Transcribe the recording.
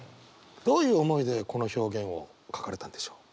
どういう思いでこの表現を書かれたんでしょう？